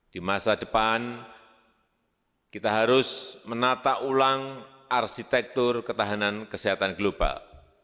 di masa depan kita harus menata ulang arsitektur ketahanan kesehatan global